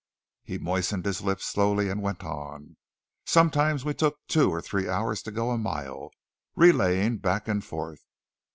He moistened his lips slowly, and went on. "Sometimes we took two or three hours to go a mile, relaying back and forth.